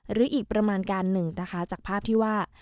หรืออีกประมาณการหนึ่งนะคะจากภาพที่ว่า